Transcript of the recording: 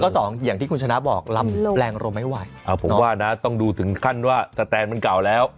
ต้องดูขั้นเลยสแตนซาวนั่นเก่าแล้ว